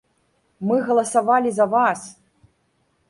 Мы галасавалі за вас!